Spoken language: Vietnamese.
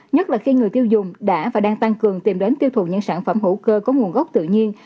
nhất là khi người tiêu dùng đã và đang tăng cường tìm đến tiêu thụ những sản phẩm hữu cơ có nguồn gốc tự nhiên